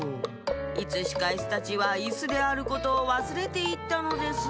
いつしかイスたちはイスであることをわすれていったのです。